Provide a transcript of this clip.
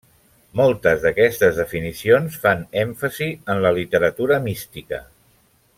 Moltes d'aquestes definicions fan èmfasi en la literatura mística.